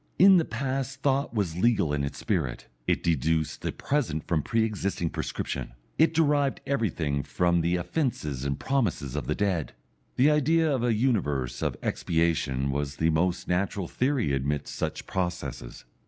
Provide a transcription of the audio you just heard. In the past thought was legal in its spirit, it deduced the present from pre existing prescription, it derived everything from the offences and promises of the dead; the idea of a universe of expiation was the most natural theory amidst such processes.